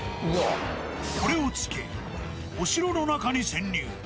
これをつけ、お城の中に潜入。